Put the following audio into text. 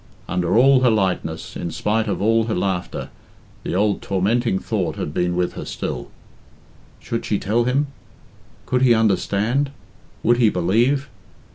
Under all her lightness, in spite of all her laughter, the old tormenting thought had been with her still. Should she tell him? Could he understand? Would he believe?